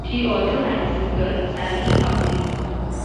She also has a sister, Sally Hubley.